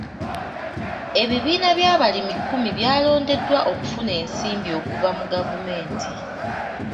Ebibiina by'abalimi kkumi byalondeddwa okufuna ensimbi okuva mu gavumenti.